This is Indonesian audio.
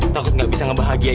takut nggak bisa ngebahagiakan